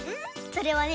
それはね